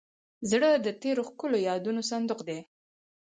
زړه د تېرو ښکلو یادونو صندوق دی.